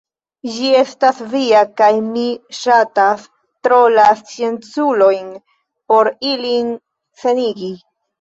Ĝi estas via, kaj mi ŝatas tro la scienculojn por ilin senigi.